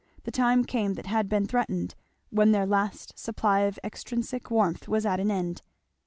The time came that had been threatened, when their last supply of extrinsic warmth was at an end.